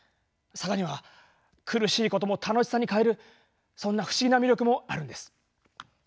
坂には苦しいことも楽しさに変えるそんな不思議な魅力もあるんです。